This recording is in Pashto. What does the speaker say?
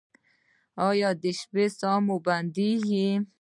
ایا د شپې ساه مو بندیږي؟